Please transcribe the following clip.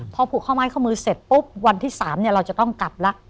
พอผูกข้อม้ายข้อมือเสร็จปุ๊บวันที่สามเนี่ยเราจะต้องกลับละ